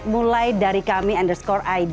mulai dari kami underscore id